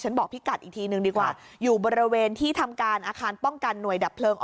บอกพี่กัดอีกทีนึงดีกว่าอยู่บริเวณที่ทำการอาคารป้องกันหน่วยดับเพลิง